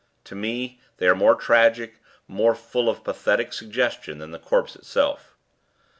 "To me they are more tragic, more full of pathetic suggestion, than the corpse itself.